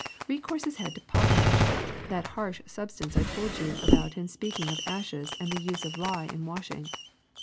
Recourse is had to potash, that harsh substance I told you about in speaking of ashes and the use of lye in washing.